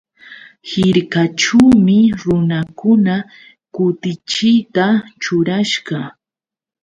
Hirkaćhuumi runakuna kutichiyta ćhurasqa.